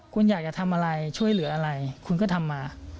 คุณอยากจะทำอะไรช่วยเหลืออะไรคุณก็ทำมา